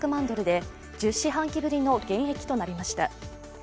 ドルで１０四半期ぶりの減益となりました。